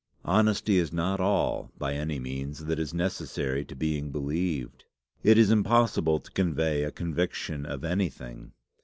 "Honesty is not all, by any means, that is necessary to being believed. It is impossible to convey a conviction of anything.